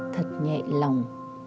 thật nhẹ lòng